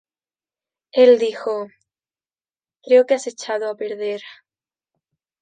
Él dijo: "Creo que has echado a perder...